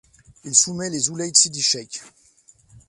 Il soumet les Ouled-Sidi-Cheikh.